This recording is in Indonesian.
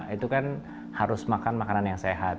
itu kan harus makan makanan yang sehat